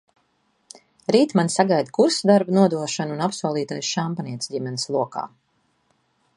Rīt mani sagaida kursa darba nodošana un apsolītais šampanietis ģimenes lokā.